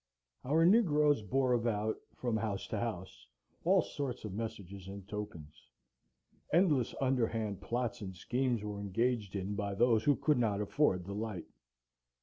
Our negroes bore about, from house to house, all sorts of messages and tokens. Endless underhand plots and schemes were engaged in by those who could not afford the light.